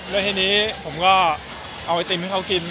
แล้วทีนี้ผมก็เอาไอติมให้เขากิน